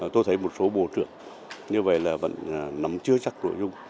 tôi thấy một số bộ trưởng như vậy là vẫn nắm chưa chắc nội dung